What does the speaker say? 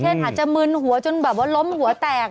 อาจจะมึนหัวจนแบบว่าล้มหัวแตก